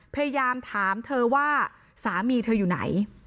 พยายามถามเธอว่าสามีเธออยู่ไหน